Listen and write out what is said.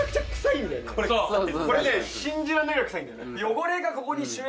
これね信じられないぐらい臭いんだよね